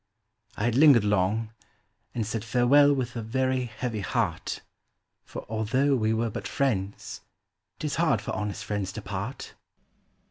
I had lingered long, and said farewell with a very heavy heart ; For although we were but friends, 't is hard for honest friends to part.